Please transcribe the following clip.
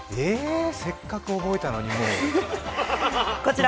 せっかく覚えたのに、もう。